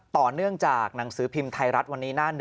ต่อเนื่องจากหนังสือพิมพ์ไทยรัฐวันนี้หน้า๑